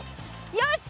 よし！